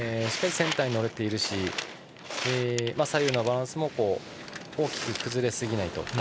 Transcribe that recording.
センターに乗れているし左右のバランスも大きく崩れすぎないと。